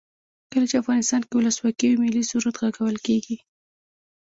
کله چې افغانستان کې ولسواکي وي ملي سرود غږول کیږي.